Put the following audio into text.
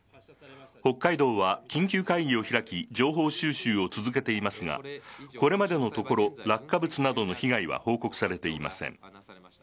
北海道は緊急会議を開き情報収集を続けていますがこれまでのところ落下物などの被害は報告されていません。